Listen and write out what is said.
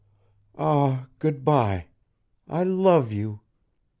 "Ah, good by! I love you!